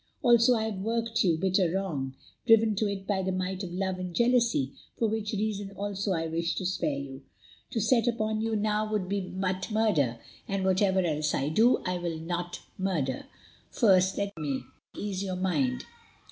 Also, I have worked you bitter wrong, driven to it by the might of love and jealousy, for which reason also I wish to spare you. To set upon you now would be but murder, and, whatever else I do, I will not murder. First, let me ease your mind.